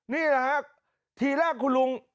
นี่แหละฮะทีแรกคุณลุง